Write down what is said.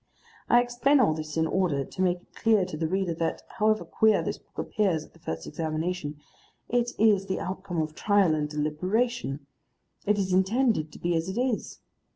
I explain all this in order to make it clear to the reader that, however queer this book appears at the first examination, it is the outcome of trial and deliberation, it is intended to be as it is.